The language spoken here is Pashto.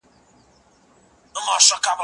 زه لاس نه پرېولم،